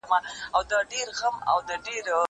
زه به سبا تمرين وکړم؟